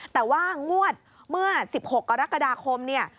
แต่ว่างวดเมื่อ๑๖กรกฎาคมเนี่ย